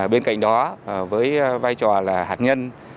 bên cạnh đó với vai trò là hạt nhân